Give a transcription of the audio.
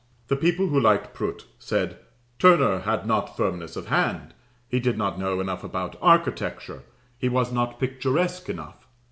The people who liked Prout said "Turner had not firmness of hand he did not know enough about architecture he was not picturesque enough."